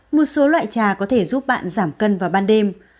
một số loại trà có thể giúp bạn giảm cân vào ban đêm